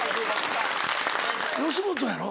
吉本やろ？